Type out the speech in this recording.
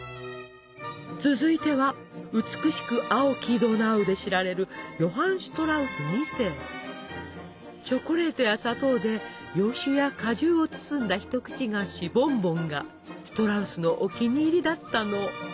続いては「美しく青きドナウ」で知られるチョコレートや砂糖で洋酒や果汁を包んだ一口菓子「ボンボン」がシュトラウスのお気に入りだったの。